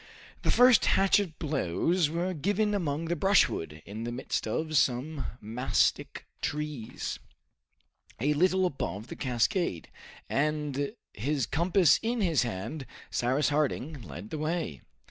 The first hatchet blows were given among the brushwood in the midst of some mastic trees, a little above the cascade; and his compass in his hand, Cyrus Harding led the way.